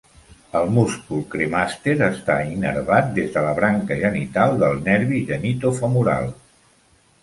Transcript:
El múscul cremàster està innervat des de la branca genital del nervi genitofemoral.